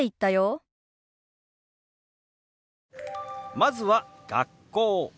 まずは「学校」。